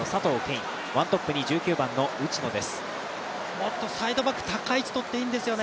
もっとサイドバック、高い位置をとっていいんですよね。